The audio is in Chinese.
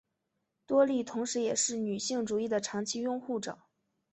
多莉同时也是女性主义的长期拥护者。